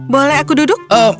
boleh aku duduk